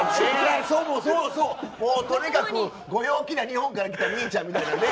そうそうそうもうとにかくご陽気な日本から来たにいちゃんみたいなね。